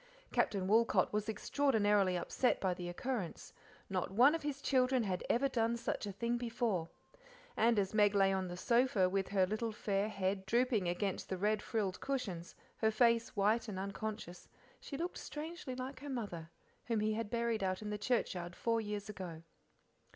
Captain Woolcot was extraordinarily upset by the occurrence; not one of his children had ever done such a thing before, and as Meg lay on the sofa, with her little fair head drooping against the red frilled cushions, her face white and unconscious, she looked strangely like her mother, whom he had buried out in the churchyard four years ago.